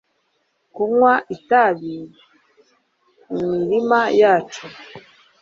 Kunywa itabi imirima yacu